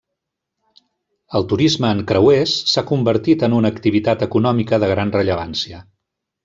El turisme en creuers s'ha convertit en una activitat econòmica de gran rellevància.